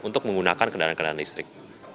untuk menggunakan kendaraan kendaraan listrik